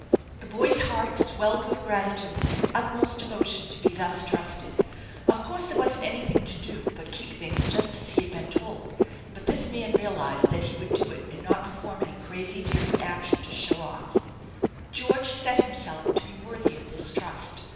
The boy's heart swelled with gratitude and utmost devotion to be thus trusted* Of course there wasn't anything to do but keep things just a/) he had been told, but this man realized that he would do it and not perform any crazy, daring action to show off. Georgo set himself to be worthy of this trust.